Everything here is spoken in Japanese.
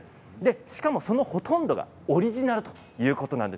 しかも、そのほとんどがオリジナルということです。